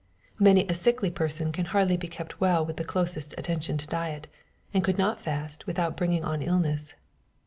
Many a sickly person can hardly be kept well with the closest attention to diet, and could not fast without bringing on illness.